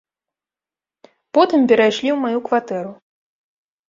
Потым перайшлі ў маю кватэру.